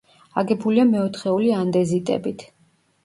აგებულია მეოთხეული ანდეზიტებით.